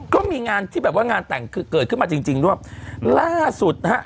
ก็มีงานที่แบบว่างานแต่งคือเกิดขึ้นมาจริงจริงด้วยล่าสุดนะฮะ